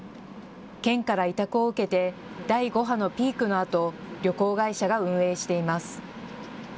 県から委託を受けて第５波のピークのあと旅行会社が運営しています。